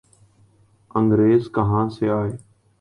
انگریز کہاں سے آئے؟